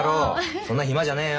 そんな暇じゃねえよ。